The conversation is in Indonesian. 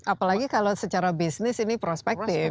apalagi kalau secara bisnis ini prospektif